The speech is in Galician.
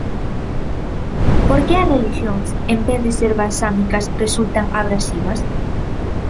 Por que as relixións, en vez de ser balsámicas resultan abrasivas?